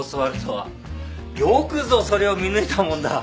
よくぞそれを見抜いたもんだ。